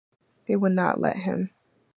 They would not let him.